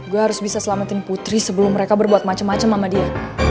gue harus bisa selamatin putri sebelum mereka berbuat macam macam sama dia